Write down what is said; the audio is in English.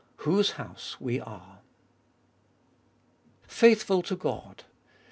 Whose house we are. 1. Faithful to God.